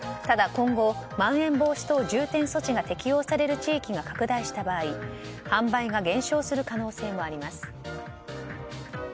ただ今後まん延防止等重点措置が適用される地域が拡大した場合販売が減少する可能性もあります。